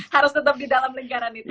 harus tetap di dalam lingkaran itu